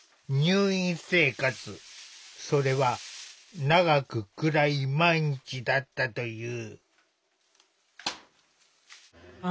それは長く暗い毎日だったという。